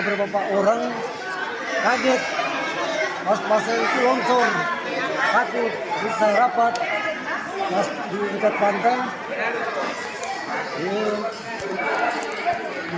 beberapa orang kaget pas pas itu longsor tapi bisa rapat diikat pantang dan